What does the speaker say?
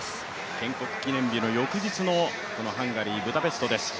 建国記念日の翌日のこのハンガリー・ブダペストです。